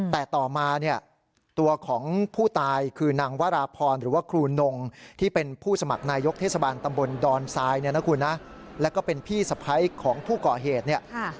แต่ต่อมาเนี่ยตัวของผู้ตายคือนางวราพรหรือคือ